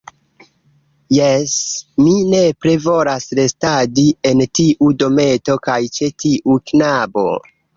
Jes, mi nepre volas restadi en tiu dometo kaj ĉe tiu knabo.